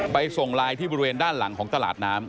ส่งไลน์ที่บริเวณด้านหลังของตลาดน้ำ